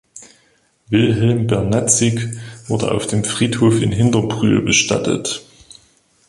Wilhelm Bernatzik wurde auf dem Friedhof in Hinterbrühl bestattet.